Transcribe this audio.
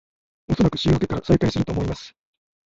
おそらく週明けから再開すると思います